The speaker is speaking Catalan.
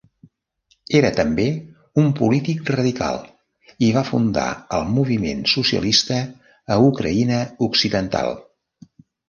Era també un polític radical, i va fundar el moviment socialista a Ucraïna occidental.